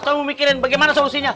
saya mau mikirin bagaimana solusinya